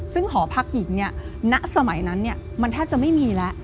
ซึ่งหอพักหญิงเนี่ยณสมัยนั้นมันแทบจะไม่มีแล้ว